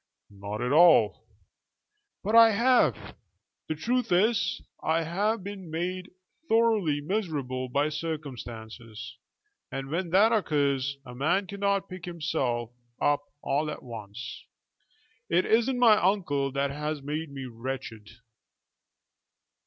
"Not at all." "But I have. The truth is, I have been made thoroughly miserable by circumstances, and, when that occurs, a man cannot pick himself up all at once. It isn't my uncle that has made me wretched.